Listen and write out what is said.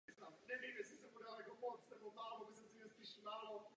Od poloviny osmdesátých let mají nárok na zvláštní důchod.